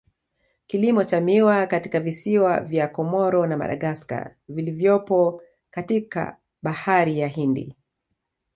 Kilimo cha miwa katika visiwa vya Comoro na Madagascar vilivyopo katika bahari ya Hindi